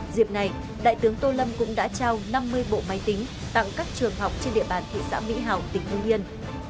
dịp này đại tướng tô lâm cũng đã trao năm mươi bộ máy tính tặng các trường học trên địa bàn thị xã mỹ hào tỉnh hương yên